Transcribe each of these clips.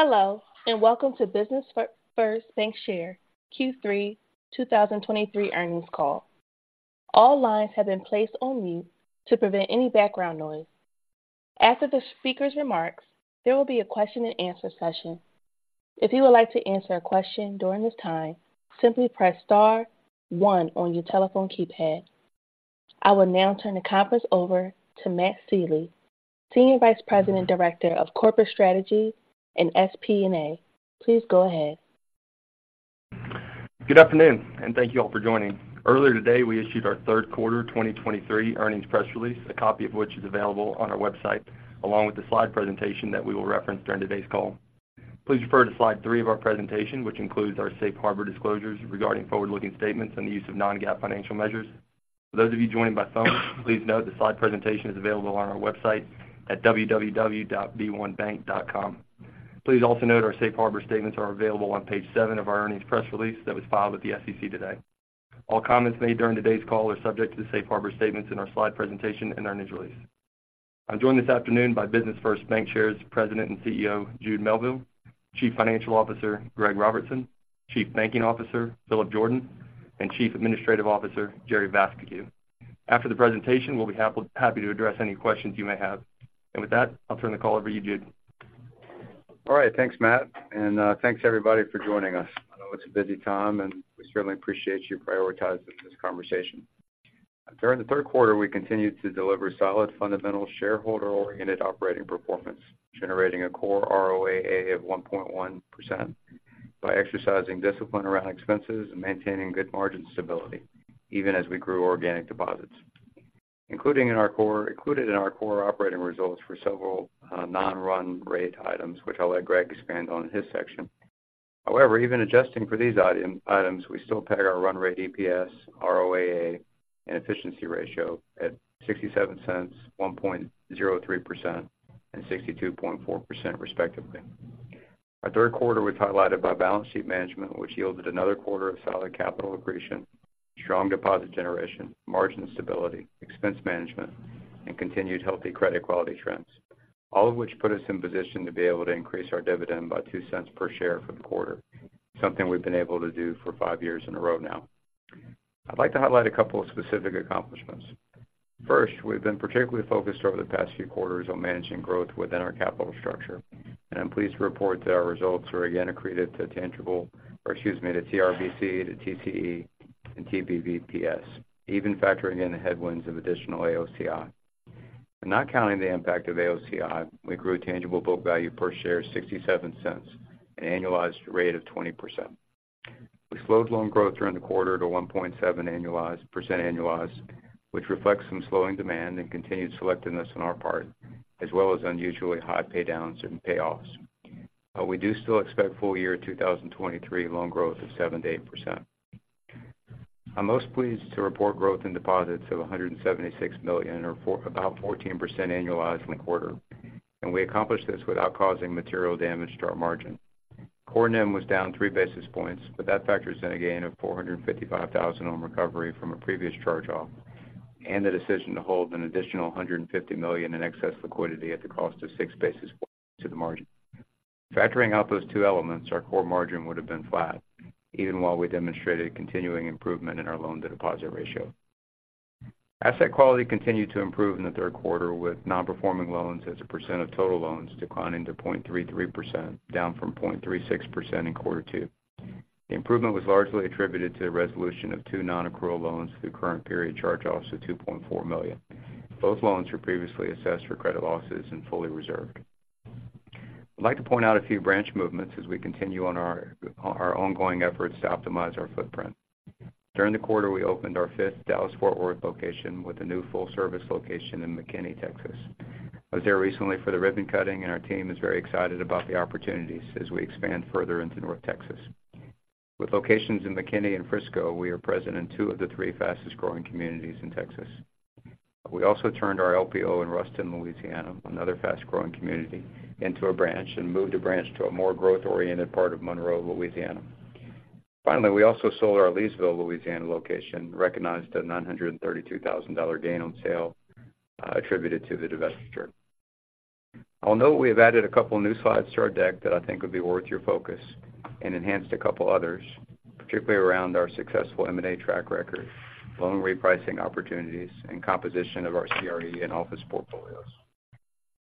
Hello, and welcome to Business First Bancshares Q3 2023 earnings call. All lines have been placed on mute to prevent any background noise. After the speaker's remarks, there will be a question and answer session. If you would like to answer a question during this time, simply press star one on your telephone keypad. I will now turn the conference over to Matt Sealy, Senior Vice President, Director of Corporate Strategy and FP&A. Please go ahead. Good afternoon, and thank you all for joining. Earlier today, we issued our third quarter 2023 earnings press release, a copy of which is available on our website, along with the slide presentation that we will reference during today's call. Please refer to slide three of our presentation, which includes our Safe Harbor disclosures regarding forward-looking statements and the use of non-GAAP financial measures. For those of you joining by phone, please note the slide presentation is available on our website at www.b1bank.com. Please also note our Safe Harbor statements are available on page seven of our earnings press release that was filed with the SEC today. All comments made during today's call are subject to the Safe Harbor statements in our slide presentation and our news release. I'm joined this afternoon by Business First Bancshares' President and CEO, Jude Melville; Chief Financial Officer, Greg Robertson; Chief Banking Officer, Philip Jordan; and Chief Administrative Officer, Jerry Vascocu. After the presentation, we'll be happy to address any questions you may have. And with that, I'll turn the call over to you, Jude. All right, thanks, Matt, and thanks, everybody, for joining us. I know it's a busy time, and we certainly appreciate you prioritizing this conversation. During the third quarter, we continued to deliver solid, fundamental, shareholder-oriented operating performance, generating a core ROAA of 1.1% by exercising discipline around expenses and maintaining good margin stability, even as we grew organic deposits. Included in our core operating results were several non-run rate items, which I'll let Greg expand on in his section. However, even adjusting for these items, we still peg our run rate EPS, ROAA, and efficiency ratio at $0.67, 1.03%, and 62.4% respectively. Our third quarter was highlighted by balance sheet management, which yielded another quarter of solid capital accretion, strong deposit generation, margin stability, expense management, and continued healthy credit quality trends, all of which put us in position to be able to increase our dividend by $0.02 per share for the quarter, something we've been able to do for five years in a row now. I'd like to highlight a couple of specific accomplishments. First, we've been particularly focused over the past few quarters on managing growth within our capital structure, and I'm pleased to report that our results were again accretive to tangible, or excuse me, to TRBC, to TCE, and TBGPS, even factoring in the headwinds of additional AOCI. But not counting the impact of AOCI, we grew tangible book value per share $0.67, an annualized rate of 20%. We slowed loan growth during the quarter to 1.7% annualized, which reflects some slowing demand and continued selectiveness on our part, as well as unusually high pay downs and payoffs. We do still expect full year 2023 loan growth of 7%-8%. I'm most pleased to report growth in deposits of $176 million, or about 14% annualized in the quarter, and we accomplished this without causing material damage to our margin. Core NIM was down 3 basis points, but that factors in a gain of $455,000 on recovery from a previous charge-off, and the decision to hold an additional $150 million in excess liquidity at the cost of 6 basis points to the margin. Factoring out those two elements, our core margin would have been flat, even while we demonstrated continuing improvement in our loan-to-deposit ratio. Asset quality continued to improve in the third quarter, with non-performing loans as a percent of total loans declining to 0.33%, down from 0.36% in quarter two. The improvement was largely attributed to the resolution of two non-accrual loans through current period charge-offs of $2.4 million. Both loans were previously assessed for credit losses and fully reserved. I'd like to point out a few branch movements as we continue on our ongoing efforts to optimize our footprint. During the quarter, we opened our fifth Dallas-Fort Worth location with a new full-service location in McKinney, Texas. I was there recently for the ribbon cutting, and our team is very excited about the opportunities as we expand further into North Texas. With locations in McKinney and Frisco, we are present in two of the three fastest-growing communities in Texas. We also turned our LPO in Ruston, Louisiana, another fast-growing community, into a branch and moved a branch to a more growth-oriented part of Monroe, Louisiana. Finally, we also sold our Leesville, Louisiana, location, recognized a $932,000 gain on sale, attributed to the divestiture. I'll note we have added a couple of new slides to our deck that I think would be worth your focus and enhanced a couple others, particularly around our successful M&A track record, loan repricing opportunities, and composition of our CRE and office portfolios.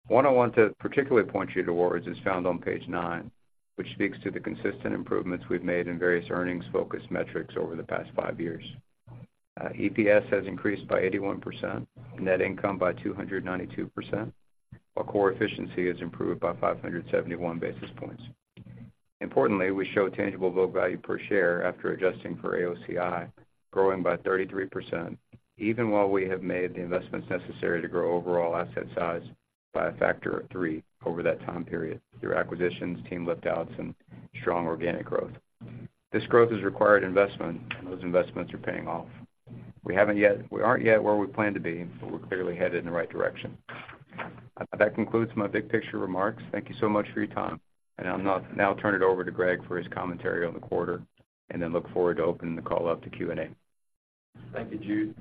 One I want to particularly point you towards is found on page nine, which speaks to the consistent improvements we've made in various earnings-focused metrics over the past five years. EPS has increased by 81%, net income by 292%, while core efficiency has improved by 571 basis points. Importantly, we show tangible book value per share after adjusting for AOCI, growing by 33%, even while we have made the investments necessary to grow overall asset size by a factor of three over that time period, through acquisitions, team lift-outs, and strong organic growth. This growth has required investment, and those investments are paying off. We haven't yet, we aren't yet where we plan to be, but we're clearly headed in the right direction. That concludes my big picture remarks. Thank you so much for your time, and I'll now, now turn it over to Greg for his commentary on the quarter and then look forward to opening the call up to Q&A.... Thank you, Jude,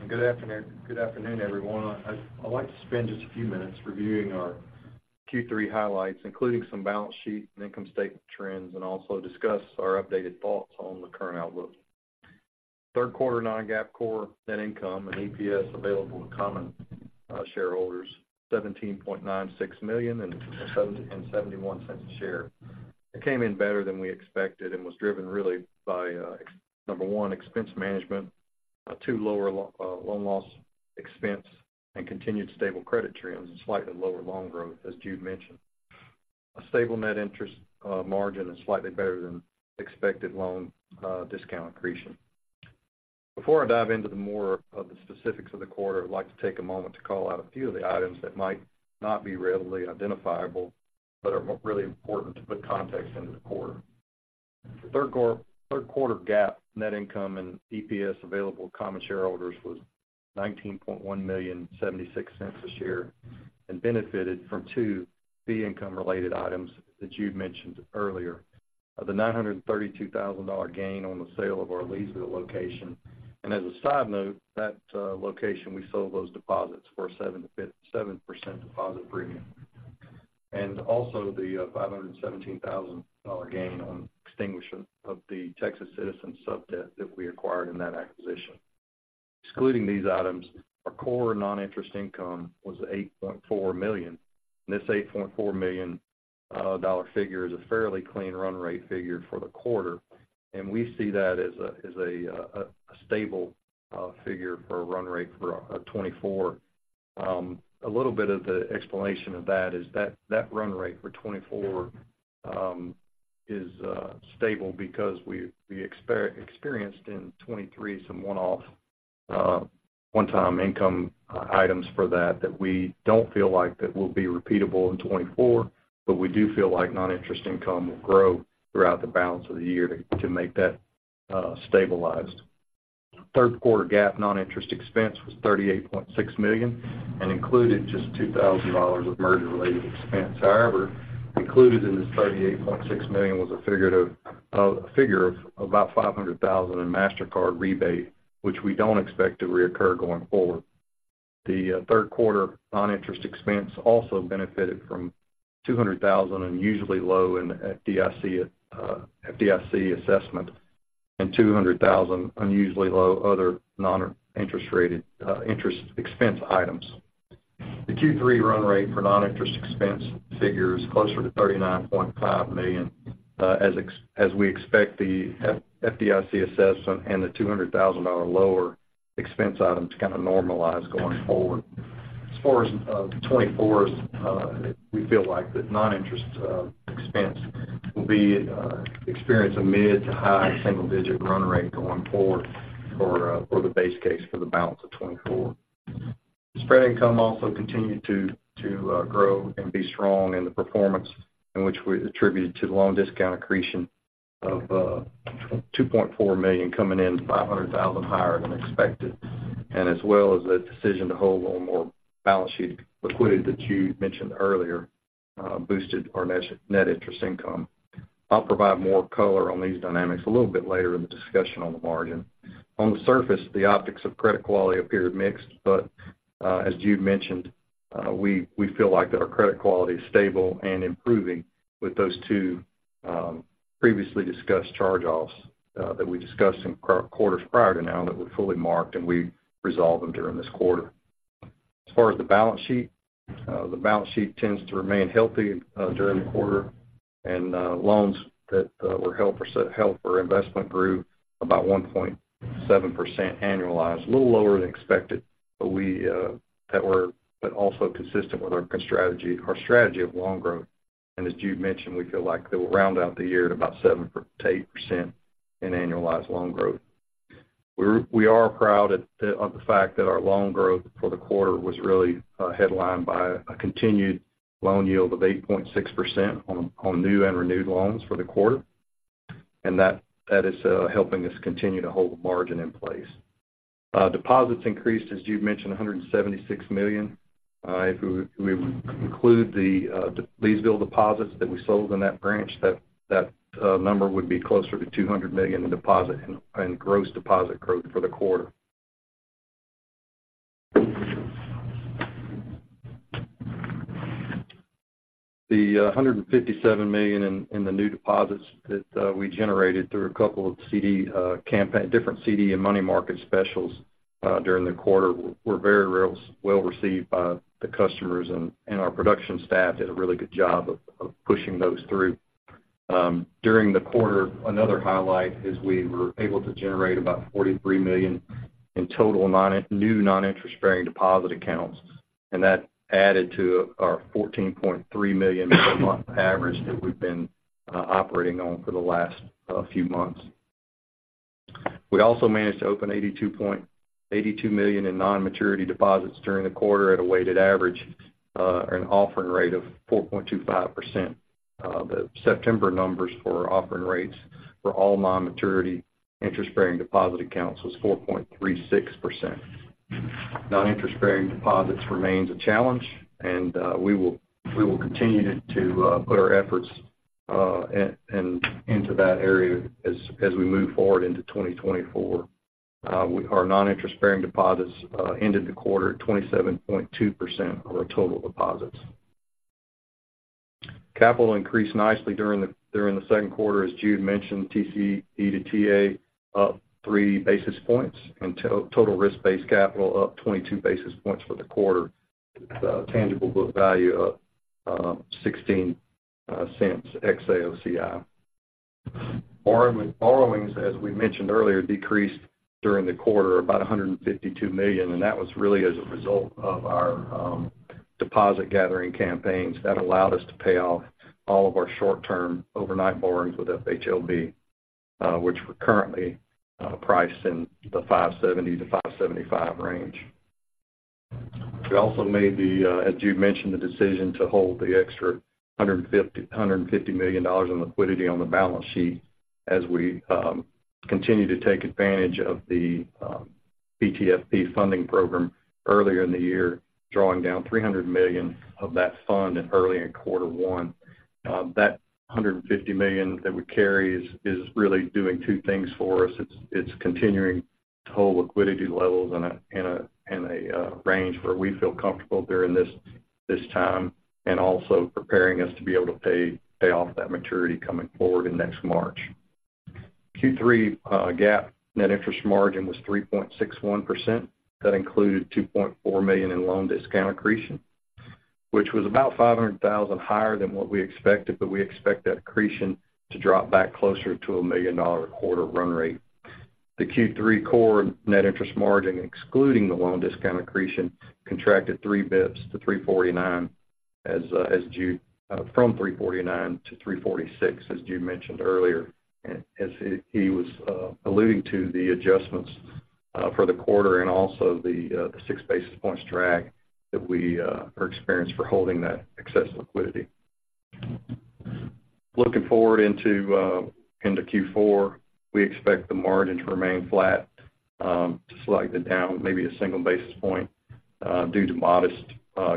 and good afternoon, good afternoon, everyone. I'd like to spend just a few minutes reviewing our Q3 highlights, including some balance sheet and income statement trends, and also discuss our updated thoughts on the current outlook. Third quarter non-GAAP core net income and EPS available to common shareholders, $17.96 million and $0.71 a share. It came in better than we expected and was driven really by number one, expense management, two, lower loan loss expense, and continued stable credit trends and slightly lower loan growth, as Jude mentioned. A stable net interest margin and slightly better than expected loan discount accretion. Before I dive into more of the specifics of the quarter, I'd like to take a moment to call out a few of the items that might not be readily identifiable, but are really important to put context into the quarter. Third quarter GAAP net income and EPS available to common shareholders was $19.1 million, $0.76 a share, and benefited from two fee income-related items that Jude mentioned earlier. The $932,000 gain on the sale of our Leesville location, and as a side note, that location, we sold those deposits for a 7% deposit premium. Also, the $517,000 gain on extinguishment of the Texas Citizens sub debt that we acquired in that acquisition. Excluding these items, our core non-interest income was $8.4 million, and this $8.4 million dollar figure is a fairly clean run rate figure for the quarter, and we see that as a stable figure for a run rate for 2024. A little bit of the explanation of that is that run rate for 2024 is stable because we experienced in 2023 some one-off one-time income items for that that we don't feel like that will be repeatable in 2024, but we do feel like non-interest income will grow throughout the balance of the year to make that stabilized. Third quarter GAAP non-interest expense was $38.6 million and included just $2,000 of merger-related expense. However, included in this $38.6 million was a figurative, a figure of about $500,000 in Mastercard rebate, which we don't expect to reoccur going forward. The third quarter non-interest expense also benefited from $200,000 unusually low in FDIC assessment and $200,000 unusually low other non-interest rated interest expense items. The Q3 run rate for non-interest expense figure is closer to $39.5 million, as we expect the FDIC assessment and the $200,000 lower expense item to kind of normalize going forward. As far as 2024, we feel like the non-interest expense will experience a mid- to high single-digit run rate going forward for the base case for the balance of 2024. Spread income also continued to grow and be strong in the performance, in which we attributed to the loan discount accretion of $2.4 million, coming in $500,000 higher than expected, and as well as the decision to hold on more balance sheet liquidity that Jude mentioned earlier, boosted our net interest income. I'll provide more color on these dynamics a little bit later in the discussion on the margin. On the surface, the optics of credit quality appeared mixed, but as Jude mentioned, we feel like our credit quality is stable and improving with those two previously discussed charge-offs that we discussed in quarters prior to now, that were fully marked, and we resolved them during this quarter. As far as the balance sheet, the balance sheet tends to remain healthy during the quarter, and loans that were held for investment grew about 1.7% annualized. A little lower than expected, but also consistent with our strategy, our strategy of loan growth. And as Jude mentioned, we feel like that we'll round out the year at about 7%-8% in annualized loan growth. We are proud of the fact that our loan growth for the quarter was really headlined by a continued loan yield of 8.6% on new and renewed loans for the quarter, and that is helping us continue to hold the margin in place. Deposits increased, as Jude mentioned, $176 million. If we include the Leesville deposits that we sold in that branch, that number would be closer to $200 million in deposit and gross deposit growth for the quarter. The $157 million in the new deposits that we generated through a couple of different CD and money market specials during the quarter were very well received by the customers, and our production staff did a really good job of pushing those through. During the quarter, another highlight is we were able to generate about $43 million in total new non-interest-bearing deposit accounts, and that added to our $14.3 million monthly average that we've been operating on for the last few months. We also managed to open $82 million in non-maturity deposits during the quarter at a weighted average, an offering rate of 4.25%. The September numbers for offering rates for all non-maturity interest-bearing deposit accounts was 4.36%. Non-interest-bearing deposits remains a challenge, and we will continue to put our efforts into that area as we move forward into 2024. Our non-interest-bearing deposits ended the quarter at 27.2% of our total deposits. Capital increased nicely during the second quarter. As Jude mentioned, TCE to TA up 3 basis points, and total risk-based capital up 22 basis points for the quarter. Tangible book value up $0.16 ex AOCI. Borrowings, as we mentioned earlier, decreased during the quarter, about $152 million, and that was really as a result of our deposit gathering campaigns. That allowed us to pay off all of our short-term overnight borrowings with FHLB, which were currently priced in the 5.70%-5.75% range. We also made, as Jude mentioned, the decision to hold the extra 150, $150 million in liquidity on the balance sheet as we continue to take advantage of the BTFP funding program earlier in the year, drawing down $300 million of that fund early in quarter one. That $150 million that we carry is really doing two things for us. It's continuing to hold liquidity levels in a range where we feel comfortable during this time, and also preparing us to be able to pay off that maturity coming forward in next March. Q3 GAAP net interest margin was 3.61%. That included $2.4 million in loan discount accretion, which was about $500,000 higher than what we expected, but we expect that accretion to drop back closer to $1 million a quarter run rate. The Q3 core net interest margin, excluding the loan discount accretion, contracted 3 basis points to 3.49% as Jude from 3.49%-3.46%, as Jude mentioned earlier, and as he was alluding to the adjustments for the quarter and also the 6 basis points drag that we are experienced for holding that excess liquidity. Looking forward into Q4, we expect the margin to remain flat to slightly down, maybe a single basis point due to modest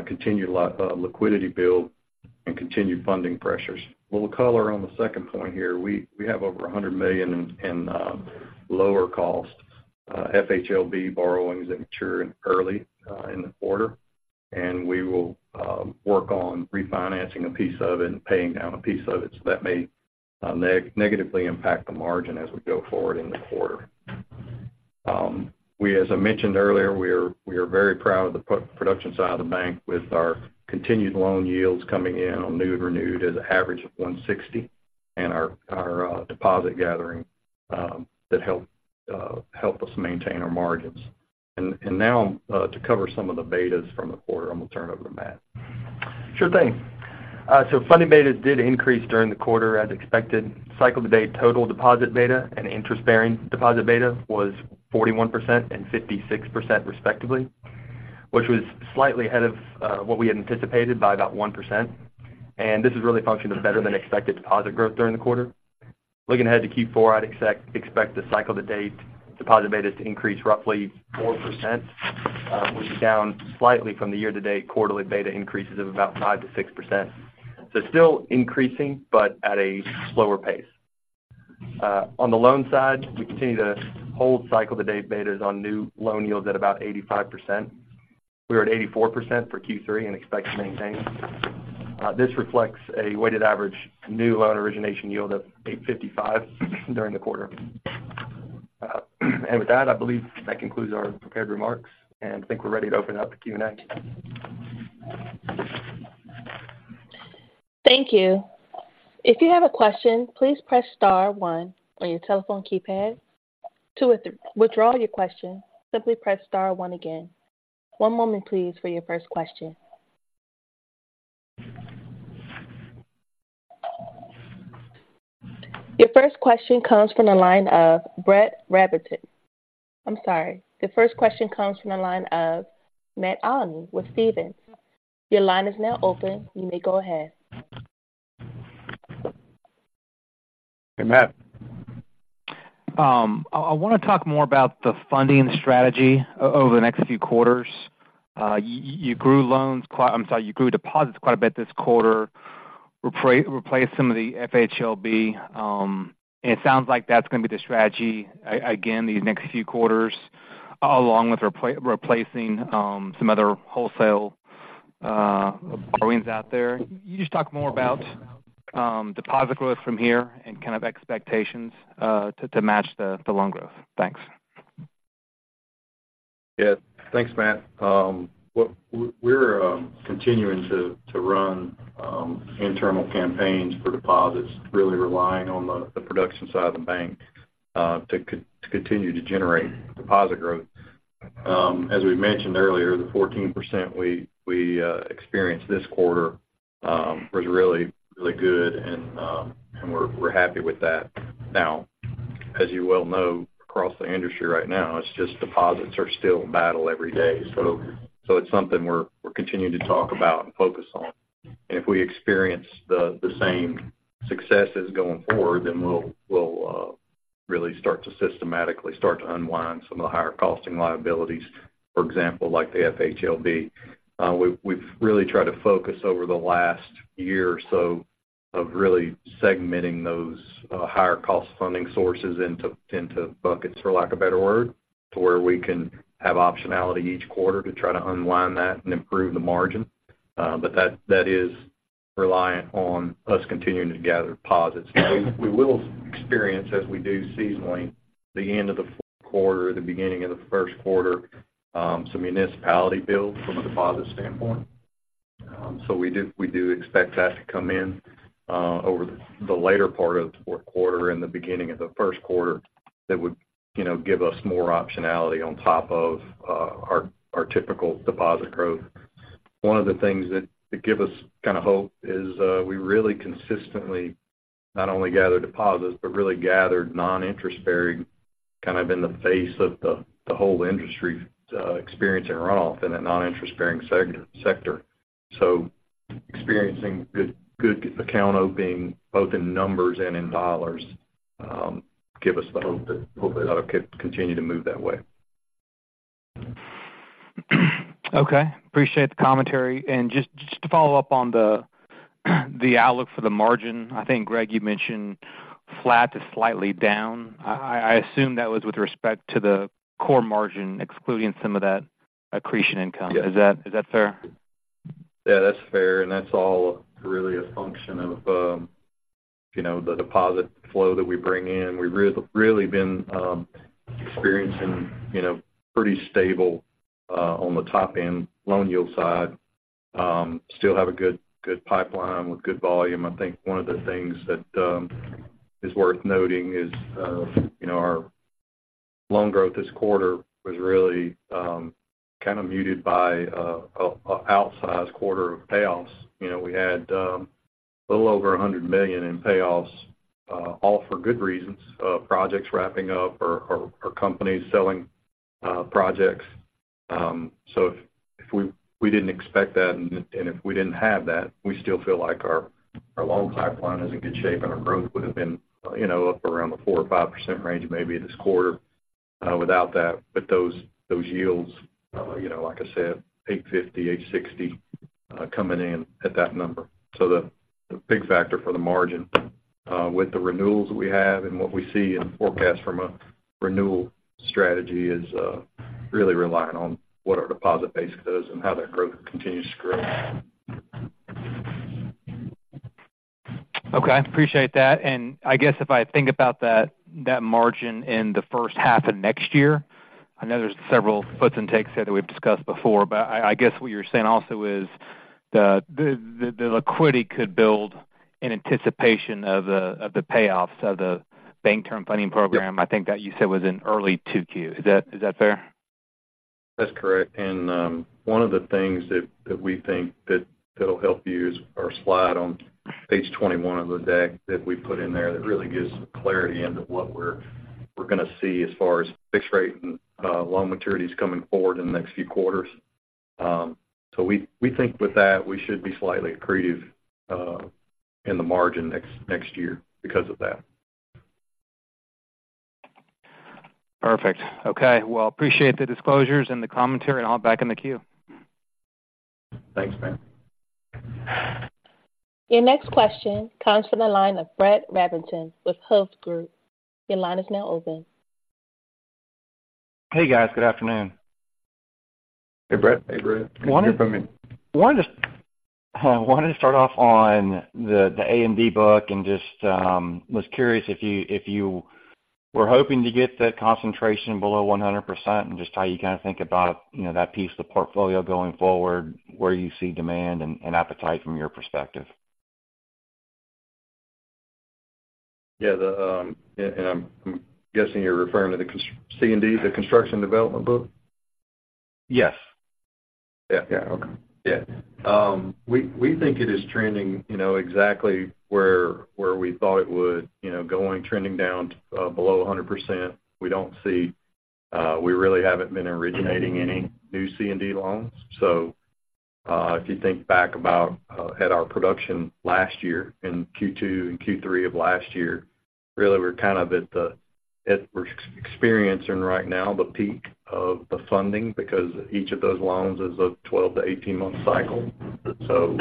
continued liquidity build and continued funding pressures. A little color on the second point here, we have over $100 million in lower cost FHLB borrowings that mature in early in the quarter, and we will work on refinancing a piece of it and paying down a piece of it. So that may negatively impact the margin as we go forward in the quarter. We, as I mentioned earlier, we are very proud of the production side of the bank with our continued loan yields coming in on new and renewed at an average of 160, and our deposit gathering that helps us maintain our margins. And now, to cover some of the betas from the quarter, I'm going to turn it over to Matt. Sure thing. So funding betas did increase during the quarter as expected. Cycle to date, total deposit beta and interest-bearing deposit beta was 41% and 56% respectively, which was slightly ahead of what we had anticipated by about 1%. And this is really a function of better than expected deposit growth during the quarter. Looking ahead to Q4, I'd expect the cycle to date deposit beta to increase roughly 4%, which is down slightly from the year-to-date quarterly beta increases of about 5%-6%. So still increasing, but at a slower pace. On the loan side, we continue to hold cycle to date betas on new loan yields at about 85%. We're at 84% for Q3 and expect to maintain. This reflects a weighted average new loan origination yield of 8.55 during the quarter. And with that, I believe that concludes our prepared remarks, and I think we're ready to open up the Q&A. Thank you. If you have a question, please press star one on your telephone keypad. To withdraw your question, simply press star one again. One moment please for your first question. Your first question comes from the line of Brett Rabatin. I'm sorry, the first question comes from the line of Matt Olney with Stephens. Your line is now open. You may go ahead. Hey, Matt. I want to talk more about the funding strategy over the next few quarters. You grew deposits quite a bit this quarter. I'm sorry, you grew deposits quite a bit this quarter, replaced some of the FHLB. And it sounds like that's going to be the strategy again these next few quarters, along with replacing some other wholesale borrowings out there. Can you just talk more about deposit growth from here and kind of expectations to match the loan growth? Thanks. Yeah. Thanks, Matt. What we're continuing to run internal campaigns for deposits, really relying on the production side of the bank to continue to generate deposit growth. As we mentioned earlier, the 14% we experienced this quarter was really, really good, and we're happy with that. Now, as you well know, across the industry right now, it's just deposits are still a battle every day. So it's something we're continuing to talk about and focus on. And if we experience the same successes going forward, then we'll really start to systematically start to unwind some of the higher costing liabilities, for example, like the FHLB. We've really tried to focus over the last year or so of really segmenting those higher cost funding sources into buckets, for lack of a better word, to where we can have optionality each quarter to try to unwind that and improve the margin. But that is reliant on us continuing to gather deposits. Now, we will experience, as we do seasonally, the end of the fourth quarter, the beginning of the first quarter, some municipality bills from a deposit standpoint. So we do expect that to come in over the later part of the fourth quarter and the beginning of the first quarter. That would, you know, give us more optionality on top of our typical deposit growth. One of the things that give us kind of hope is we really consistently not only gather deposits, but really gathered non-interest bearing, kind of in the face of the whole industry experiencing runoff in a non-interest bearing sector. So experiencing good account opening, both in numbers and in dollars, give us the hope that that'll keep continue to move that way. Okay, appreciate the commentary. And just to follow up on the outlook for the margin. I think, Greg, you mentioned flat to slightly down. I assume that was with respect to the core margin, excluding some of that accretion income. Yes. Is that, is that fair? Yeah, that's fair, and that's all really a function of, you know, the deposit flow that we bring in. We've really been experiencing, you know, pretty stable on the top end loan yield side. Still have a good, good pipeline with good volume. I think one of the things that is worth noting is, you know, our loan growth this quarter was really kind of muted by an outsized quarter of payoffs. You know, we had a little over $100 million in payoffs, all for good reasons, projects wrapping up or companies selling projects. So if we didn't expect that, and if we didn't have that, we still feel like our loan pipeline is in good shape, and our growth would have been, you know, up around the 4 or 5% range maybe this quarter, without that. But those yields, you know, like I said, 8.50, 8.60, coming in at that number. So the big factor for the margin, with the renewals that we have and what we see in the forecast from a renewal strategy is, really relying on what our deposit base does and how that growth continues to grow. Okay, appreciate that. And I guess if I think about that, that margin in the first half of next year, I know there's several puts and takes there that we've discussed before, but I guess what you're saying also is the liquidity could build in anticipation of the payoffs of the bank term funding program. Yep. I think that you said was in early 2Q. Is that, is that fair? That's correct. And, one of the things that we think that that'll help you is our slide on page 21 of the deck that we put in there, that really gives clarity into what we're gonna see as far as fixed rate and loan maturities coming forward in the next few quarters. So we think with that, we should be slightly accretive in the margin next year because of that. Perfect. Okay, well, appreciate the disclosures and the commentary, and I'll back in the queue. Thanks, Matt. Your next question comes from the line of Brett Rabatin with Hovde Group. Your line is now open. Hey, guys. Good afternoon. Hey, Brett. Hey, Brett. Good to hear from you. Wanted to start off on the C&D book, and just was curious if you were hoping to get that concentration below 100%, and just how you kind of think about, you know, that piece of the portfolio going forward, where you see demand and appetite from your perspective? Yeah, and I'm guessing you're referring to the C&D, the construction development book? Yes. Yeah. Yeah. Okay. Yeah. We think it is trending, you know, exactly where we thought it would, you know, going trending down below 100%. We don't see. We really haven't been originating any new C&D loans. So if you think back about at our production last year in Q2 and Q3 of last year, really we're kind of at we're experiencing right now the peak of the funding, because each of those loans is a 12-18-month cycle. So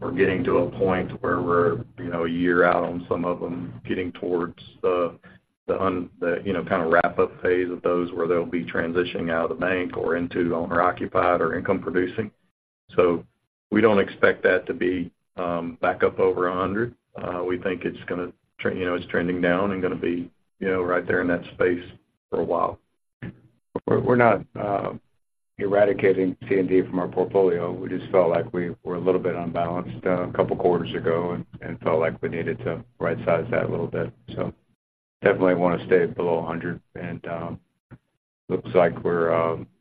we're getting to a point where we're, you know, a year out on some of them, getting towards the the, you know, kind of wrap up phase of those, where they'll be transitioning out of the bank or into owner-occupied or income-producing. So we don't expect that to be back up over 100. We think it's gonna trend, you know, it's trending down and gonna be, you know, right there in that space for a while. We're, we're not eradicating C&D from our portfolio. We just felt like we were a little bit unbalanced, a couple of quarters ago and, and felt like we needed to right-size that a little bit. So definitely want to stay below 100, and looks like we're,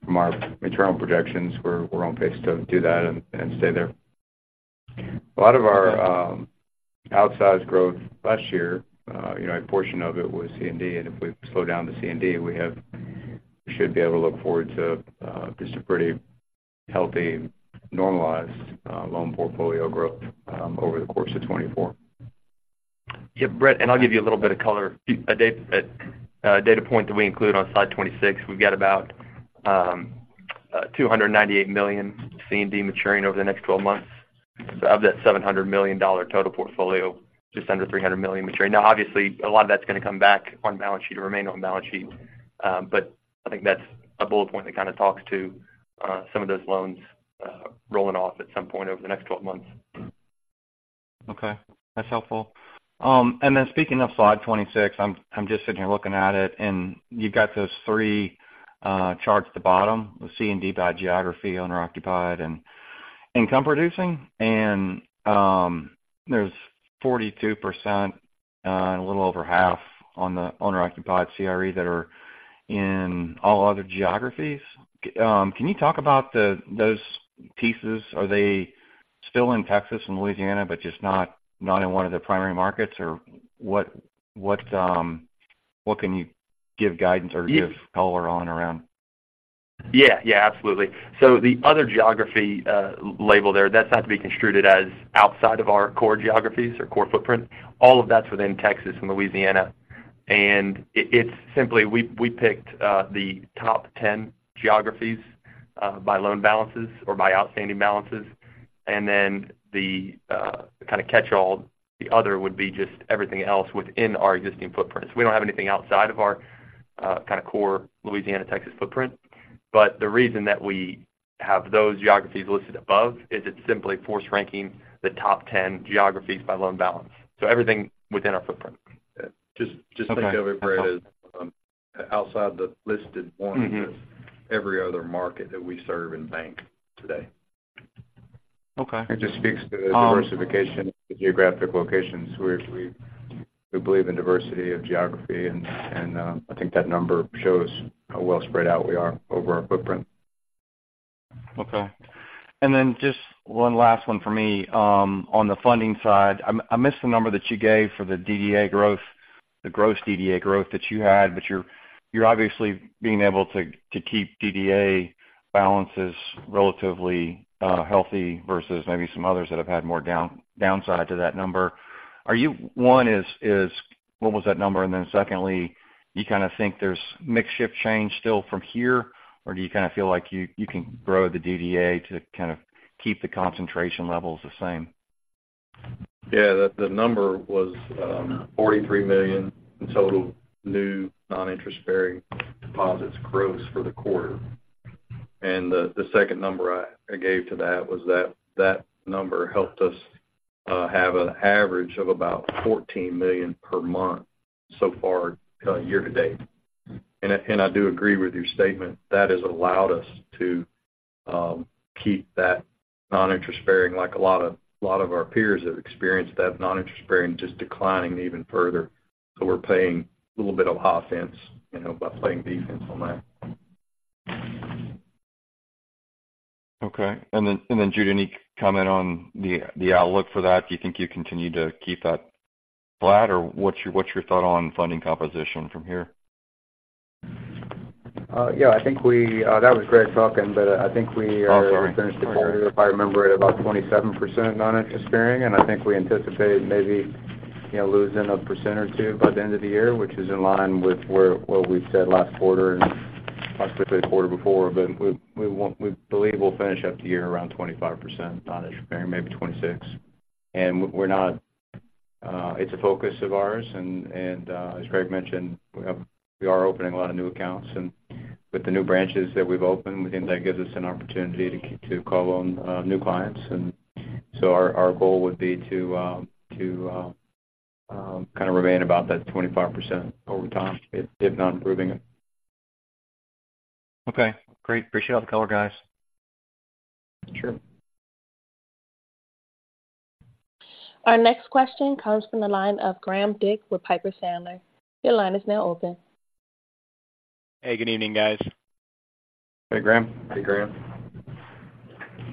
from our internal projections, we're, we're on pace to do that and, and stay there. A lot of our, outsized growth last year, you know, a portion of it was C&D, and if we slow down the C&D, we have we should be able to look forward to, just a pretty healthy, normalized, loan portfolio growth, over the course of 2024. Yeah, Brett, and I'll give you a little bit of color. A date, a data point that we include on slide 26, we've got about,$298 million C and D maturing over the next 12 months. So of that $700 million dollar total portfolio, just under $300 maturing. Now, obviously, a lot of that's gonna come back on balance sheet or remain on balance sheet, but I think that's a bullet point that kind of talks to, some of those loans, rolling off at some point over the next 12 months. Okay, that's helpful. And then speaking of slide 26, I'm just sitting here looking at it, and you've got those three charts at the bottom, the C&D by geography, owner-occupied and income-producing. And there's 42%, and a little over half on the owner-occupied CRE that are in all other geographies. Can you talk about those pieces? Are they still in Texas and Louisiana, but just not in one of the primary markets? Or what can you give guidance or give color on around? Yeah. Yeah, absolutely. So the other geography labeled there, that's not to be construed as outside of our core geographies or core footprint. All of that's within Texas and Louisiana. It, it's simply we, we picked the top 10 geographies by loan balances or by outstanding balances, and then the kind of catch-all, the other would be just everything else within our existing footprint. So we don't have anything outside of our kind of core Louisiana-Texas footprint. But the reason that we have those geographies listed above is it's simply force ranking the top 10 geographies by loan balance. So everything within our footprint. Just think of it, Brett, as outside the listed ones- Mm-hmm. - every other market that we serve in bank today. Okay. It just speaks to the diversification of the geographic locations. We believe in diversity of geography, and I think that number shows how well spread out we are over our footprint. Okay. Then just one last one for me. On the funding side, I missed the number that you gave for the DDA growth, the gross DDA growth that you had, but you're obviously being able to keep DDA balances relatively healthy versus maybe some others that have had more downside to that number. Are you one, what was that number? And then secondly, you kind of think there's mix shift change still from here, or do you kind of feel like you can grow the DDA to kind of keep the concentration levels the same? Yeah, the number was $43 million in total new non-interest-bearing deposits gross for the quarter. And the second number I gave to that was that that number helped us have an average of about $14 million per month so far year to date. And I do agree with your statement. That has allowed us to keep that non-interest-bearing like a lot of our peers have experienced, that non-interest-bearing just declining even further. So we're playing a little bit of offense, you know, by playing defense on that. Okay. And then, Jude, any comment on the outlook for that? Do you think you continue to keep that flat, or what's your thought on funding composition from here? Yeah, I think we, that was Greg talking, but, I think we are- Oh, sorry. If I remember, at about 27% non-interest-bearing, and I think we anticipate maybe, you know, losing 1% or 2% by the end of the year, which is in line with what we've said last quarter and possibly the quarter before. But we won't. We believe we'll finish up the year around 25% non-interest-bearing, maybe 26%. And we're not. It's a focus of ours, and as Greg mentioned, we are opening a lot of new accounts, and with the new branches that we've opened, we think that gives us an opportunity to call on new clients. And so our goal would be to kind of remain about that 25% over time if not improving it. Okay, great. Appreciate all the color, guys. Sure. Our next question comes from the line of Graham Dick with Piper Sandler. Your line is now open. Hey, good evening, guys. Hey, Graham. Hey, Graham.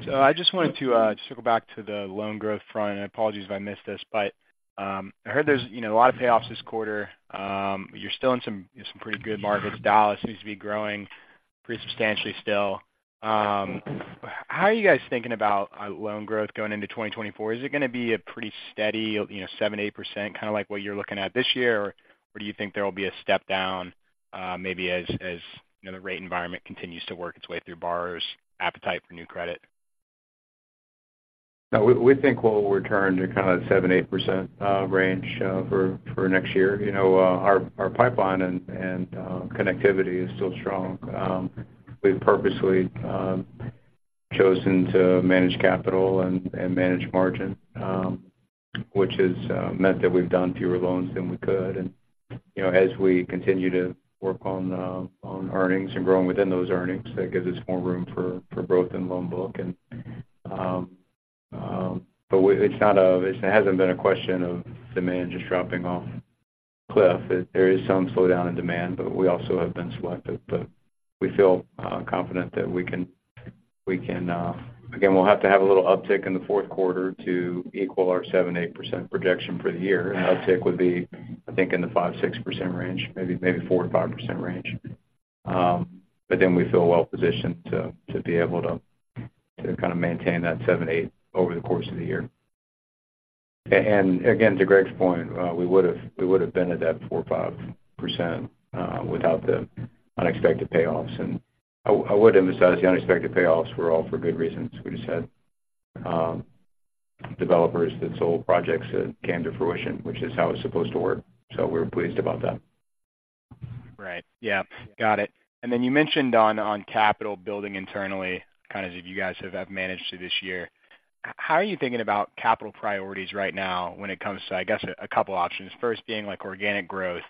So I just wanted to just circle back to the loan growth front, and apologies if I missed this, but I heard there's, you know, a lot of payoffs this quarter. You're still in some pretty good markets. Dallas seems to be growing pretty substantially still. How are you guys thinking about loan growth going into 2024? Is it gonna be a pretty steady, you know, 7%-8%, kind of like what you're looking at this year? Or do you think there will be a step down, maybe as, you know, the rate environment continues to work its way through borrowers' appetite for new credit? Yeah, we think we'll return to kind of 7%-8% range for next year. You know, our pipeline and connectivity is still strong. We've purposely chosen to manage capital and manage margin, which has meant that we've done fewer loans than we could. And, you know, as we continue to work on earnings and growing within those earnings, that gives us more room for growth in loan book. But it's not a... It hasn't been a question of demand just dropping off a cliff. There is some slowdown in demand, but we also have been selective. But we feel confident that we can again, we'll have to have a little uptick in the fourth quarter to equal our 7%-8% projection for the year. An uptick would be, I think, in the 5%-6% range, maybe 4%-5% range. But then we feel well positioned to be able to kind of maintain that 7-8 over the course of the year. And again, to Greg's point, we would've been at that 4% or 5% without the unexpected payoffs. And I would emphasize the unexpected payoffs were all for good reasons. We just had developers that sold projects that came to fruition, which is how it's supposed to work. So we're pleased about that. Right. Yeah, got it. And then you mentioned on capital building internally, kind of, you guys have managed to this year. How are you thinking about capital priorities right now when it comes to, I guess, a couple options? First, being like organic growth,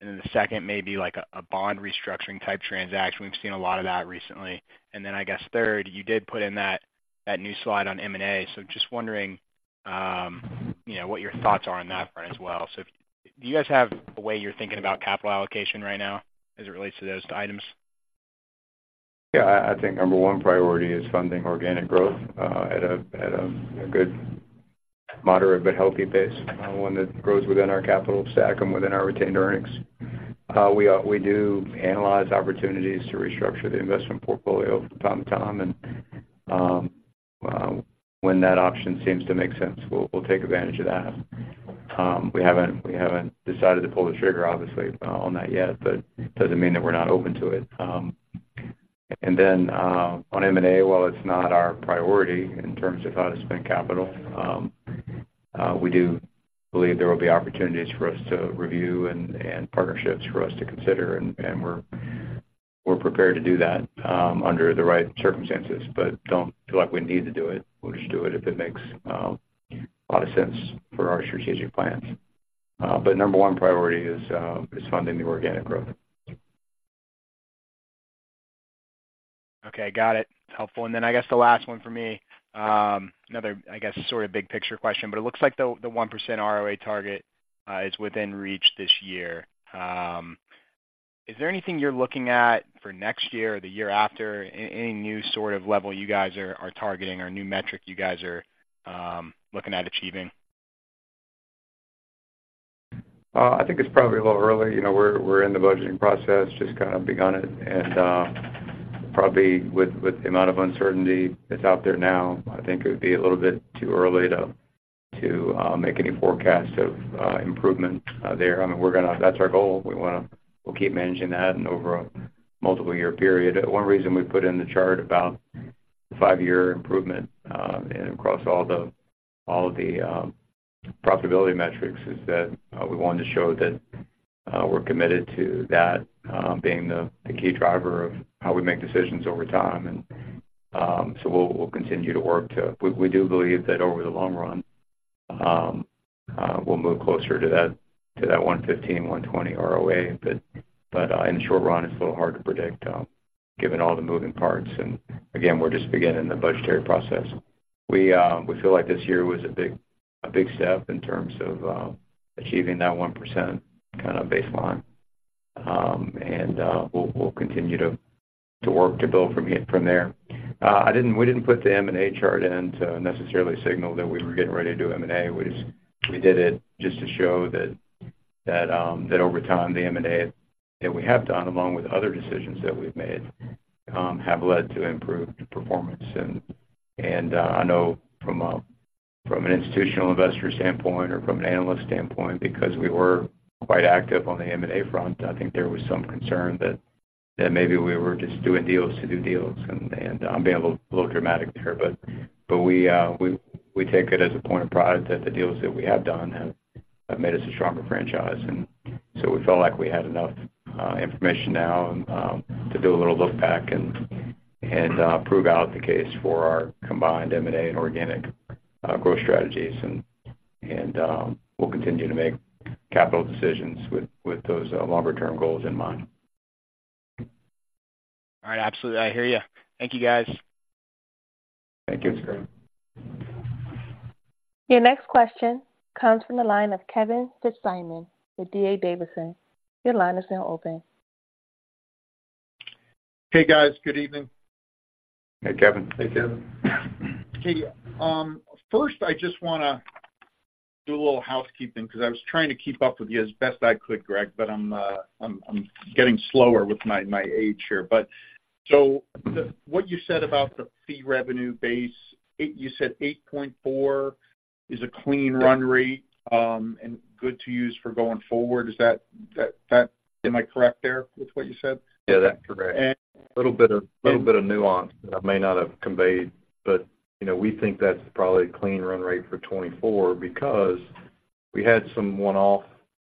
and then the second may be like a bond restructuring type transaction. We've seen a lot of that recently. And then I guess third, you did put in that new slide on M&A. So just wondering, you know, what your thoughts are on that front as well. So do you guys have a way you're thinking about capital allocation right now as it relates to those items? Yeah, I think number one priority is funding organic growth at a good, moderate, but healthy pace, one that grows within our capital stack and within our retained earnings. We do analyze opportunities to restructure the investment portfolio from time to time, and when that option seems to make sense, we'll take advantage of that. We haven't decided to pull the trigger, obviously, on that yet, but doesn't mean that we're not open to it. And then, on M&A, while it's not our priority in terms of how to spend capital, we do believe there will be opportunities for us to review and partnerships for us to consider, and we're prepared to do that, under the right circumstances, but don't feel like we need to do it. We'll just do it if it makes a lot of sense for our strategic plans. But number one priority is funding the organic growth. Okay, got it. Helpful. I guess the last one for me, another, I guess, sort of big picture question, but it looks like the 1% ROA target is within reach this year. Is there anything you're looking at for next year or the year after? Any new sort of level you guys are targeting or new metric you guys are looking at achieving? I think it's probably a little early. You know, we're in the budgeting process, just kind of begun it. Probably with the amount of uncertainty that's out there now, I think it would be a little bit too early to make any forecasts of improvement there. I mean, we're gonna. That's our goal. We wanna. We'll keep managing that and over a multiple year period. One reason we put in the chart about the five-year improvement and across all of the profitability metrics is that we wanted to show that we're committed to that being the key driver of how we make decisions over time. So we'll continue to work to... We, we do believe that over the long run, we'll move closer to that, to that 1.15-1.20 ROA. But, but, in the short run, it's a little hard to predict, given all the moving parts. And again, we're just beginning the budgetary process. We, we feel like this year was a big, a big step in terms of, achieving that 1% kind of baseline. And, we'll, we'll continue to, to work to build from here, from there. I didn't, we didn't put the M&A chart in to necessarily signal that we were getting ready to do M&A. We just, we did it just to show that, that, over time, the M&A that we have done, along with other decisions that we've made, have led to improved performance. I know from an institutional investor standpoint or from an analyst standpoint, because we were quite active on the M&A front, I think there was some concern that maybe we were just doing deals to do deals. I'm being a little dramatic there, but we take it as a point of pride that the deals that we have done have made us a stronger franchise. And so we felt like we had enough information now to do a little look back and prove out the case for our combined M&A and organic growth strategies. And we'll continue to make capital decisions with those longer-term goals in mind. All right. Absolutely, I hear you. Thank you, guys. Thank you. Your next question comes from the line of Kevin Fitzsimmons with D.A. Davidson. Your line is now open. Hey, guys. Good evening. Hey, Kevin. Hey, Kevin. Okay, first, I just want to do a little housekeeping, because I was trying to keep up with you as best I could, Greg, but I'm getting slower with my age here. But what you said about the fee revenue base, $8.4—you said $8.4 is a clean run rate and good to use for going forward. Is that correct there with what you said? Yeah, that's correct. And- A little bit of, a little bit of nuance that I may not have conveyed, but, you know, we think that's probably a clean run rate for 2024 because we had some one-off,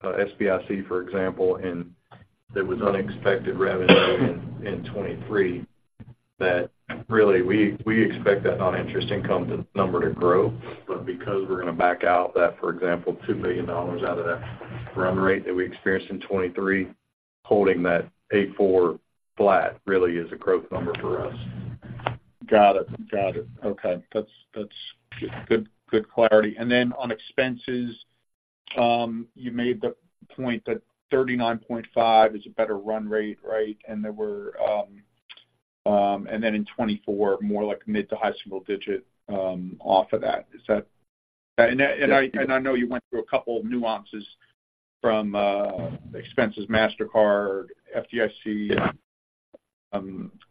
SBIC, for example, and there was unexpected revenue in 2023 that really we expect that non-interest income to number to grow. But because we're gonna back out that, for example, $2 million out of that run rate that we experienced in 2023, holding that 84 flat really is a growth number for us. Got it. Got it. Okay. That's, that's good, good clarity. And then on expenses... You made the point that $39.5 is a better run rate, right? And there were, and then in 2024, more like mid- to high-single-digit off of that. Is that? And I, and I know you went through a couple of nuances from expenses, Mastercard, FDIC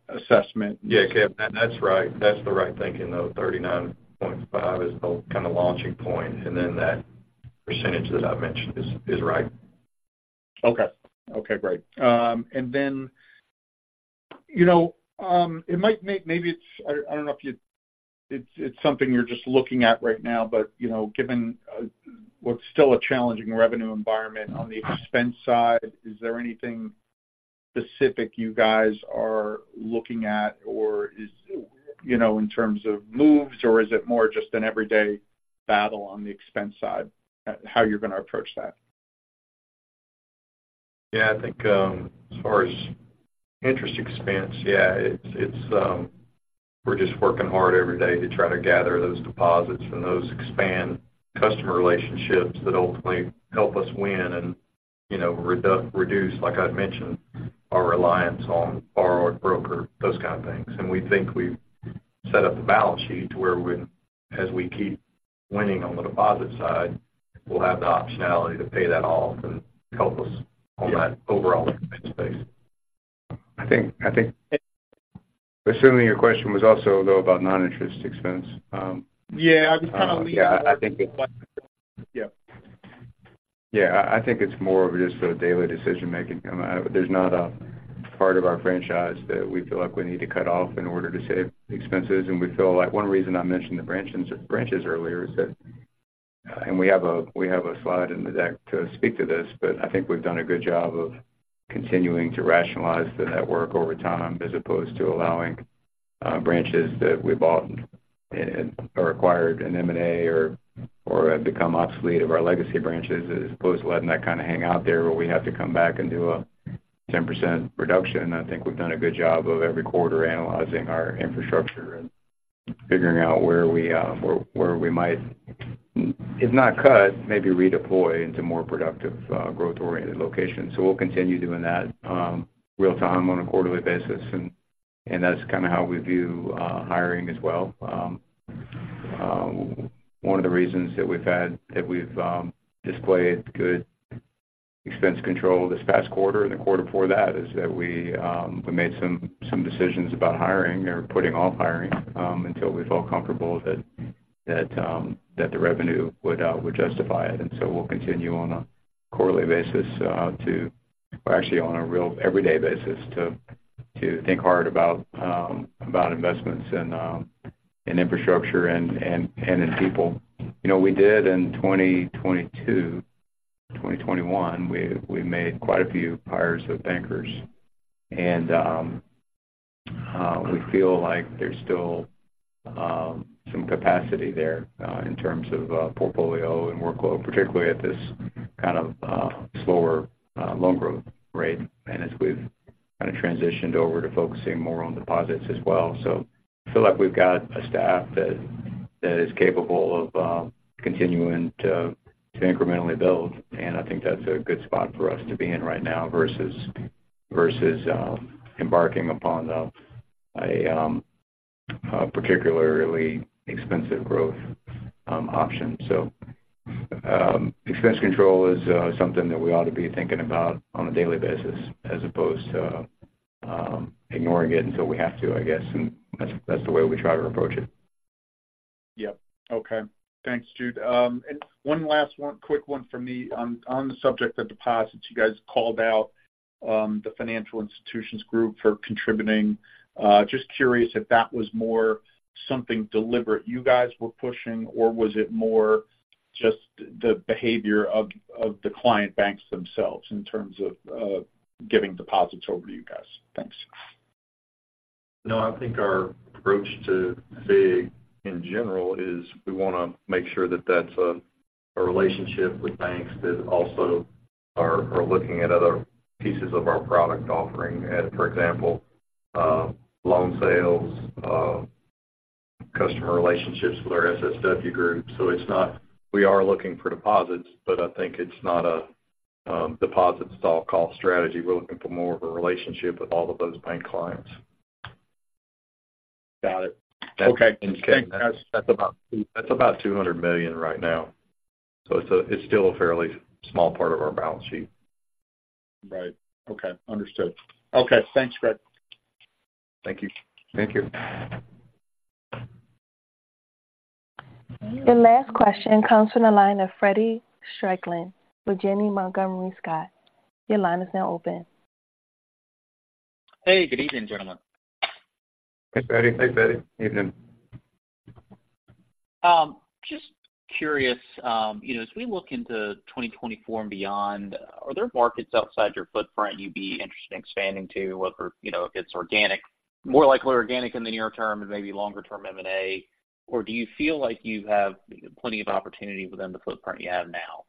assessment. Yeah, Kevin, that's right. That's the right thinking, though. 39.5 is the kind of launching point, and then that percentage that I mentioned is, is right. Okay, great. You know, it might make—maybe it's, I don't know if you—it's something you're just looking at right now, but, you know, given what's still a challenging revenue environment on the expense side, is there anything specific you guys are looking at, or is, you know, in terms of moves, or is it more just an everyday battle on the expense side? How you're going to approach that? Yeah, I think, as far as interest expense, yeah, it's, it's, we're just working hard every day to try to gather those deposits and those expand customer relationships that ultimately help us win and, you know, reduce, like I'd mentioned, our reliance on borrowed brokered, those kind of things. And we think we've set up the balance sheet to where we, as we keep winning on the deposit side, we'll have the optionality to pay that off and help us on that overall space. I think, I think assuming your question was also, though, about non-interest expense, Yeah, I was kind of leaning- Yeah, I think. Yeah. Yeah, I think it's more of just a daily decision-making. There's not a part of our franchise that we feel like we need to cut off in order to save expenses. And we feel like one reason I mentioned the branches, branches earlier is that, and we have a slide in the deck to speak to this, but I think we've done a good job of continuing to rationalize the network over time, as opposed to allowing branches that we bought and or acquired in M&A or have become obsolete of our legacy branches, as opposed to letting that kind of hang out there, where we have to come back and do a 10% reduction. I think we've done a good job of every quarter analyzing our infrastructure and figuring out where we might, if not cut, maybe redeploy into more productive, growth-oriented locations. So we'll continue doing that real time on a quarterly basis, and that's kind of how we view hiring as well. One of the reasons that we've displayed good expense control this past quarter and the quarter before that is that we made some decisions about hiring or putting off hiring until we felt comfortable that the revenue would justify it. And so we'll continue on a quarterly basis, or actually on a real everyday basis, to think hard about investments in infrastructure and in people. You know, we did in 2022, 2021, we made quite a few hires of bankers, and we feel like there's still some capacity there in terms of portfolio and workload, particularly at this kind of slower loan growth rate, and as we've kind of transitioned over to focusing more on deposits as well. So I feel like we've got a staff that is capable of continuing to incrementally build, and I think that's a good spot for us to be in right now versus embarking upon a particularly expensive growth option. So expense control is something that we ought to be thinking about on a daily basis, as opposed to ignoring it until we have to, I guess, and that's the way we try to approach it. Yep. Okay. Thanks, Jude. Thanks, one last one, quick one from me. On the subject of deposits, you guys called out the Financial Institutions Group for contributing. Just curious if that was more something deliberate you guys were pushing, or was it more just the behavior of the client banks themselves in terms of giving deposits over to you guys? Thanks. No, I think our approach to FIG in general is we want to make sure that that's a relationship with banks that also are looking at other pieces of our product offering. For example, loan sales, customer relationships with our SSW Group. So it's not, we are looking for deposits, but I think it's not a deposit sales call strategy. We're looking for more of a relationship with all of those bank clients. Got it. Okay. That's about, that's about $200 million right now, so it's a, it's still a fairly small part of our balance sheet. Right. Okay, understood. Okay, thanks, Greg. Thank you. Thank you. Your last question comes from the line of Feddie Strickland with Janney Montgomery Scott. Your line is now open. Hey, good evening, gentlemen. Hey, Feddie. Hey, Feddie. Evening. Just curious, you know, as we look into 2024 and beyond, are there markets outside your footprint you'd be interested in expanding to, whether, you know, if it's organic, more likely organic in the near term and maybe longer-term M&A, or do you feel like you have plenty of opportunity within the footprint you have now? ...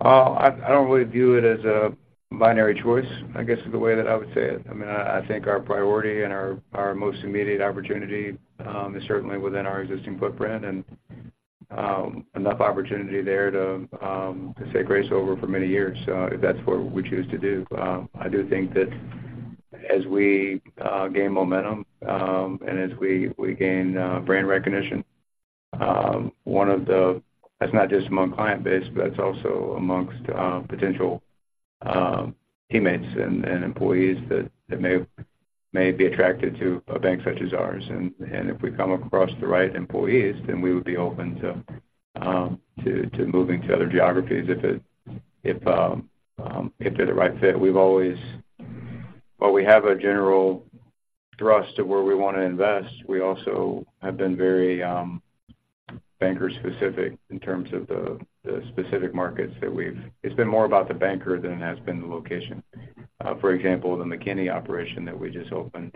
I don't really view it as a binary choice, I guess, is the way that I would say it. I mean, I think our priority and our most immediate opportunity is certainly within our existing footprint, and enough opportunity there to stay grace over for many years. So if that's what we choose to do. I do think that as we gain momentum and as we gain brand recognition, one of the - that's not just among client base, but that's also among potential teammates and employees that may be attracted to a bank such as ours. And if we come across the right employees, then we would be open to moving to other geographies if they're the right fit. While we have a general thrust of where we wanna invest, we also have been very banker specific in terms of the specific markets that we've... It's been more about the banker than it has been the location. For example, the McKinney operation that we just opened,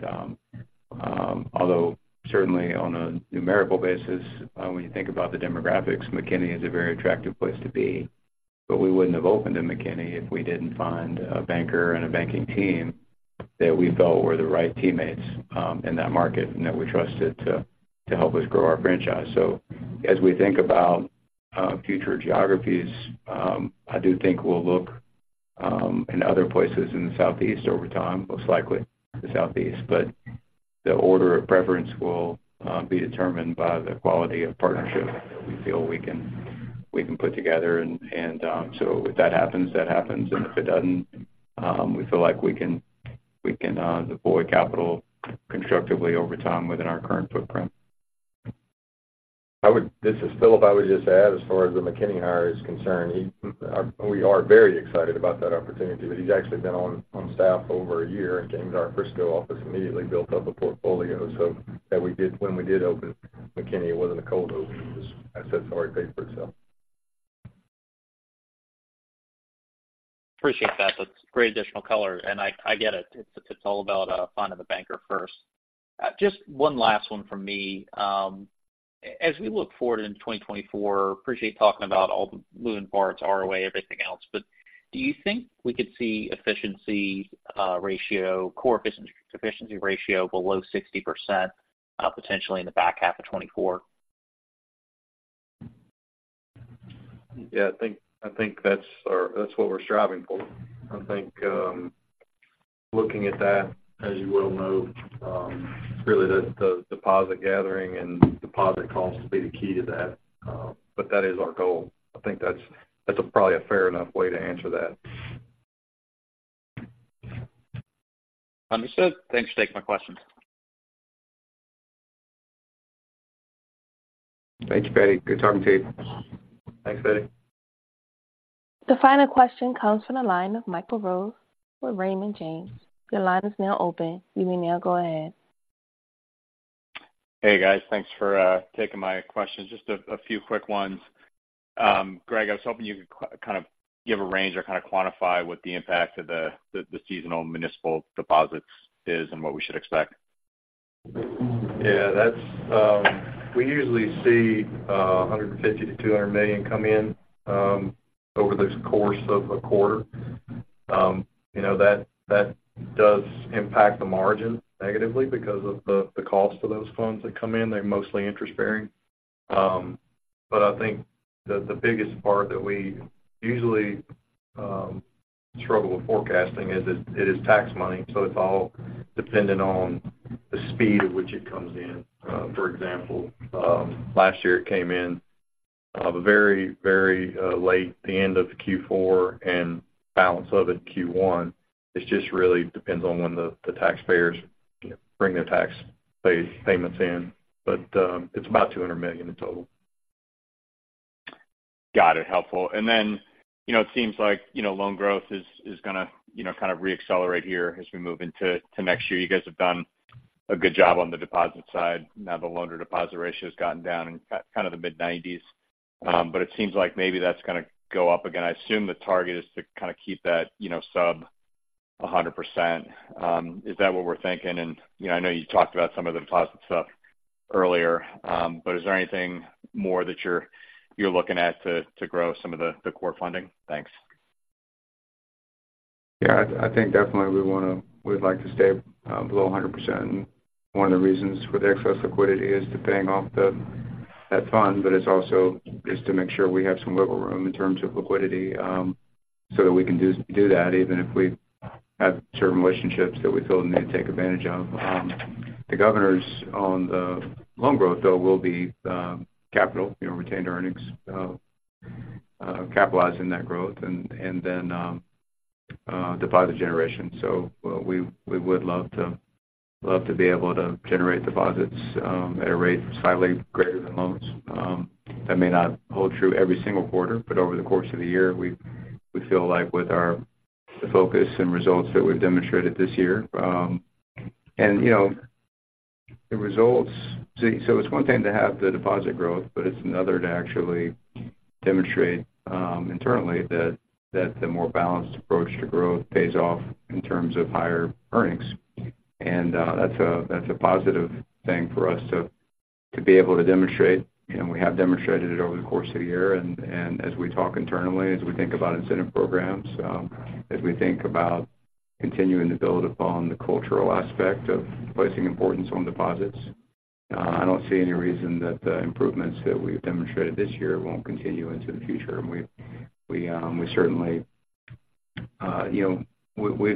although certainly on a numerical basis, when you think about the demographics, McKinney is a very attractive place to be. But we wouldn't have opened in McKinney if we didn't find a banker and a banking team that we felt were the right teammates in that market and that we trusted to help us grow our franchise. So as we think about future geographies, I do think we'll look in other places in the Southeast over time, most likely the Southeast. But the order of preference will be determined by the quality of partnership that we feel we can put together. So if that happens, that happens, and if it doesn't, we feel like we can deploy capital constructively over time within our current footprint. This is Philip. I would just add, as far as the McKinney hire is concerned, he, we are very excited about that opportunity, but he's actually been on staff for over a year and came to our Frisco office, immediately built up a portfolio so that when we did open McKinney, it wasn't a cold open. Just that set already paid for itself. Appreciate that. That's great additional color, and I, I get it. It's, it's all about finding the banker first. Just one last one from me. As we look forward into 2024, appreciate talking about all the moving parts, ROA, everything else, but do you think we could see core efficiency ratio below 60%, potentially in the back half of 2024? Yeah, I think that's our, that's what we're striving for. I think, looking at that, as you well know, really, the deposit gathering and deposit costs will be the key to that, but that is our goal. I think that's, that's probably a fair enough way to answer that. Understood. Thanks for taking my questions. Thank you, Feddie. Good talking to you. Thanks, Feddie. The final question comes from the line of Michael Rose with Raymond James. Your line is now open. You may now go ahead. Hey, guys. Thanks for taking my questions. Just a few quick ones. Greg, I was hoping you could kind of give a range or kind of quantify what the impact of the seasonal municipal deposits is and what we should expect. Yeah, that's. We usually see $150 million-$200 million come in over the course of a quarter. You know, that does impact the margin negatively because of the cost of those funds that come in. They're mostly interest-bearing. But I think the biggest part that we usually struggle with forecasting is that it is tax money, so it's all dependent on the speed at which it comes in. For example, last year, it came in very, very late, the end of Q4 and balance of it, Q1. It just really depends on when the taxpayers bring their tax payments in, but it's about $200 million in total. Got it. Helpful. And then, you know, it seems like, you know, loan growth is gonna, you know, kind of reaccelerate here as we move into next year. You guys have done a good job on the deposit side. Now, the loan-to-deposit ratio has gotten down in kind of the mid-90s, but it seems like maybe that's gonna go up again. I assume the target is to kind of keep that, you know, sub 100%. Is that what we're thinking? And, you know, I know you talked about some of the deposit stuff earlier, but is there anything more that you're looking at to grow some of the core funding? Thanks. Yeah, I think definitely we wanna—we'd like to stay below 100%. One of the reasons for the excess liquidity is to paying off the, that fund, but it's also is to make sure we have some wiggle room in terms of liquidity, so that we can do that, even if we have certain relationships that we feel the need to take advantage of. The governors on the loan growth, though, will be, capital, you know, retained earnings, capitalizing that growth and then, deposit generation. So we would love to, love to be able to generate deposits, at a rate slightly greater than loans. That may not hold true every single quarter, but over the course of the year, we feel like with our focus and results that we've demonstrated this year, and, you know, the results. So it's one thing to have the deposit growth, but it's another to actually demonstrate, internally, that the more balanced approach to growth pays off in terms of higher earnings. And that's a positive thing for us to be able to demonstrate, and we have demonstrated it over the course of the year, and as we talk internally, as we think about incentive programs, as we think about continuing to build upon the cultural aspect of placing importance on deposits, I don't see any reason that the improvements that we've demonstrated this year won't continue into the future. And we certainly, you know,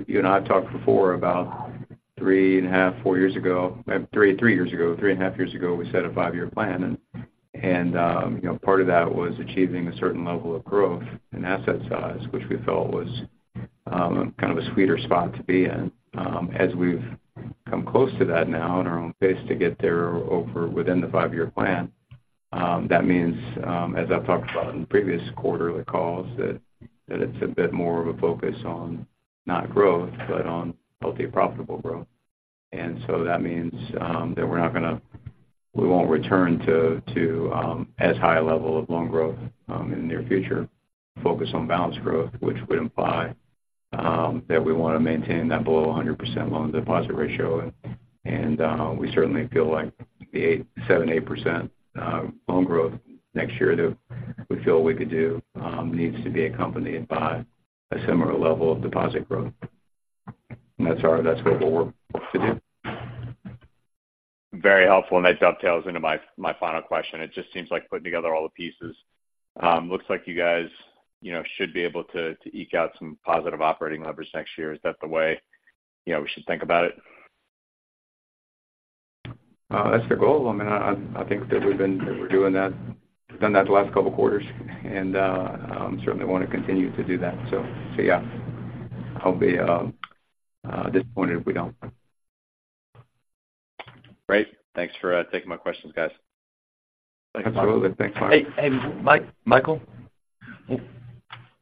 you and I have talked before about 3.5, four years ago, three, three years ago, 3.5 years ago, we set a five-year plan. And, you know, part of that was achieving a certain level of growth in asset size, which we felt was, kind of a sweeter spot to be in. As we've come close to that now and are on pace to get there over within the five-year plan, that means, as I've talked about in previous quarterly calls, that it's a bit more of a focus on not growth, but on healthy, profitable growth. And so that means, that we're not gonna-- we won't return to, to, as high a level of loan growth, in the near future. Focus on balance growth, which would imply that we want to maintain that below 100% loan deposit ratio. And we certainly feel like the 8.78% loan growth next year that we feel we could do needs to be accompanied by a similar level of deposit growth. And that's our - that's what we're hoped to do. Very helpful, and that dovetails into my final question. It just seems like putting together all the pieces, looks like you guys, you know, should be able to eke out some positive operating leverage next year. Is that the way, you know, we should think about it? That's the goal. I mean, I think that we've been, that we're doing that. We've done that the last couple of quarters, and certainly want to continue to do that. So yeah, I'll be disappointed if we don't. Great. Thanks for taking my questions, guys. Absolutely. Thanks, Matt. Hey, hey, Michael?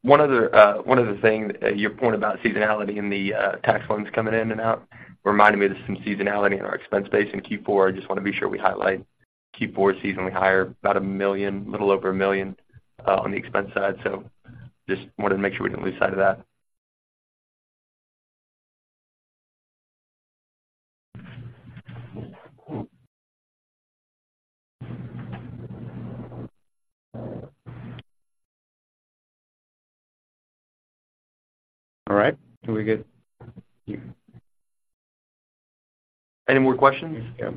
One other thing. Your point about seasonality in the tax loans coming in and out reminded me there's some seasonality in our expense base in Q4. I just want to be sure we highlight Q4 seasonally higher, about $1 million, a little over $1 million, on the expense side. So just wanted to make sure we didn't lose sight of that. All right. Do we get you? Any more questions? Yeah.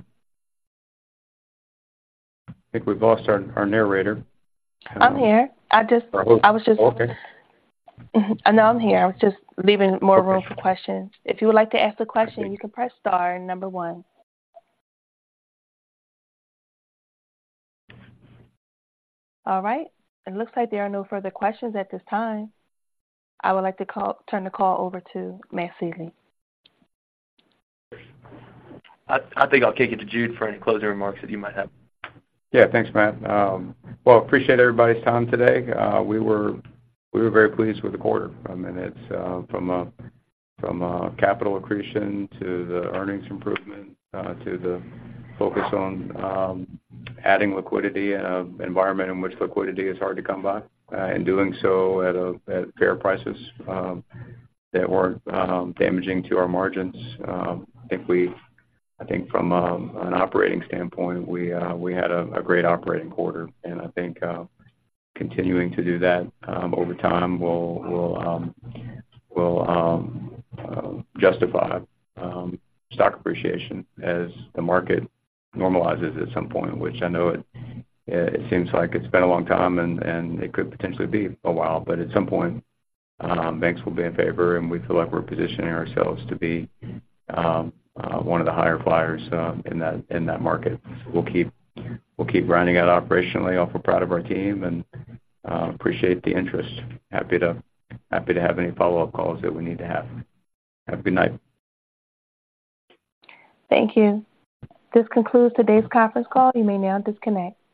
I think we've lost our narrator. I'm here. I just- Oh. I was just- Okay. No, I'm here. I was just leaving more room for questions. Okay. If you would like to ask a question, you can press star and number one. All right. It looks like there are no further questions at this time. I would like to call-- turn the call over to Matt Sealy. I think I'll kick it to Jude for any closing remarks that you might have. Yeah, thanks, Matt. Well, appreciate everybody's time today. We were very pleased with the quarter. I mean, it's from a capital accretion to the earnings improvement to the focus on adding liquidity in an environment in which liquidity is hard to come by and doing so at fair prices that weren't damaging to our margins. I think from an operating standpoint, we had a great operating quarter. And I think continuing to do that over time will justify stock appreciation as the market normalizes at some point, which I know it seems like it's been a long time and it could potentially be a while. But at some point, banks will be in favor, and we feel like we're positioning ourselves to be one of the higher flyers in that, in that market. We'll keep grinding out operationally. Awful proud of our team and appreciate the interest. Happy to have any follow-up calls that we need to have. Have a good night. Thank you. This concludes today's conference call. You may now disconnect.